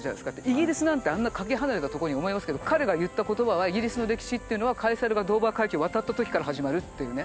イギリスなんてあんなかけ離れたとこにって思いますけど彼が言った言葉はイギリスの歴史っていうのはカエサルがドーバー海峡を渡った時から始まるっていうね。